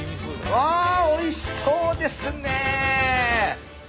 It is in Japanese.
ああおいしそうですね！